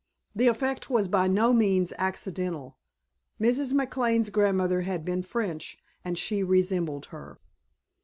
The effect was by no means accidental. Mrs. McLane's grandmother had been French and she resembled her.